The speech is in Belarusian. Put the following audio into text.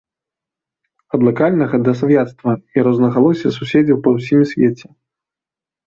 Ад лакальнага да сваяцтва і рознагалосся суседзяў па ўсім свеце.